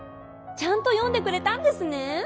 ちゃんと読んでくれたんですねー！